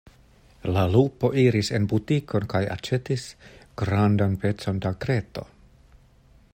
La lupo iris en butikon kaj aĉetis grandan pecon da kreto.